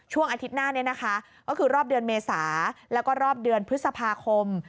ช่วงอาทิตย์หน้าคือรอบเดือนเมษาแล้วก็รอบเดือนพฤษภาคม